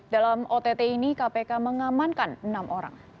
dalam ott ini kpk mengamankan enam orang